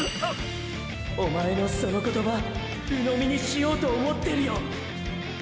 おまえのその言葉ーー鵜呑みにしようと思ってるよ！！